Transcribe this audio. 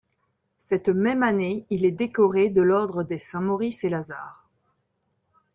Cette même année, il est décoré de l'ordre des Saints-Maurice-et-Lazare.